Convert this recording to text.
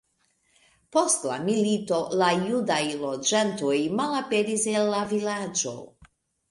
Post la milito la judaj loĝantoj malaperis el la vilaĝo.